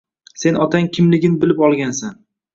Sen otang kimligin bilib olgansan.